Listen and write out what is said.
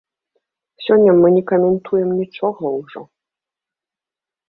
Сёння мы не каментуем нічога ўжо.